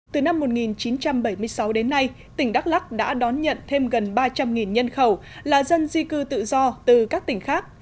từ năm một nghìn chín trăm bảy mươi sáu đến nay tỉnh đắk lắc đã đón nhận thêm gần ba trăm linh nhân khẩu là dân di cư tự do từ các tỉnh khác